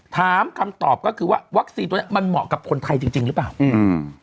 ถามคำตอบก็คือว่าวัคซีนตัวนี้เหมาะกับคนใจจริงหรือเปล่า